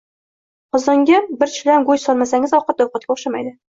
Qozonga bir tishlam go`sht solmasangiz, ovqat ovqatga o`xshamaydi